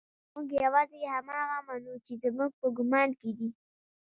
موږ يوازې هماغه منو چې زموږ په ګمان کې دي.